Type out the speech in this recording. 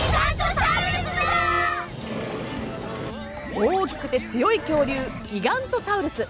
大きくて強い恐竜ギガントサウルス。